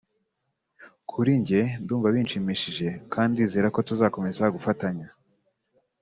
kuri njye ndumva binshimishije kandi ndizerako tuzakomeza tugafatanya